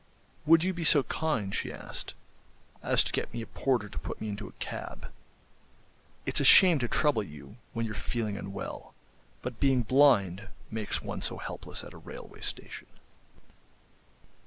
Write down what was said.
"Would you be so kind," she asked, "as to get me a porter to put me into a cab? It's a shame to trouble you when you're feeling unwell, but being blind makes one so helpless at a railway station."